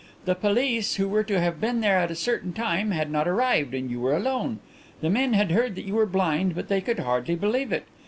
The police, who were to have been there at a certain time, had not arrived, and you were alone. The men had heard that you were blind but they could hardly believe it.